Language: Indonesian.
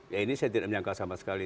ya ini saya tidak menyangka sama sekali